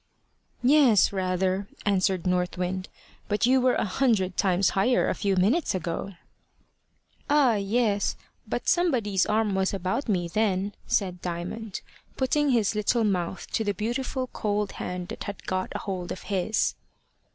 "Yes, rather," answered North Wind; "but you were a hundred times higher a few minutes ago." "Ah, yes, but somebody's arm was about me then," said Diamond, putting his little mouth to the beautiful cold hand that had a hold of his.